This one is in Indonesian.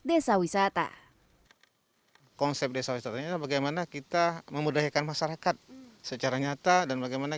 desa wisata konsep desa wisatanya bagaimana kita memudahkan masyarakat secara nyata dan bagaimana